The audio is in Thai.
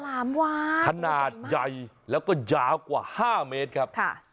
ลามวานขนาดใหญ่แล้วก็ยาวกว่า๕เมตรครับค่ะ